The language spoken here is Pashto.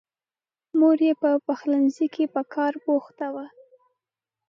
مور یې په پخلنځي کې په کار بوخته وه.